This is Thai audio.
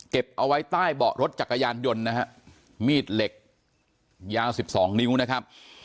เอาไว้ใต้เบาะรถจักรยานยนต์นะฮะมีดเหล็กยาว๑๒นิ้วนะครับ